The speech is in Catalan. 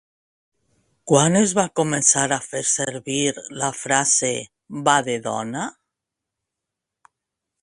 Quan es va començar a fer servir la frase va de dona?